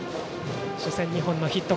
初戦、２本のヒット。